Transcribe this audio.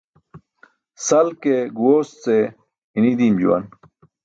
Sal ke guyoos ce i̇ṅi̇ di̇im juwan.